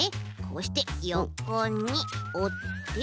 こうしてよこにおって。